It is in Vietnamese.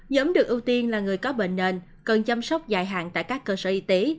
nhóm được ưu tiên là người có bệnh nền cần chăm sóc dài hạn tại các cơ sở y tế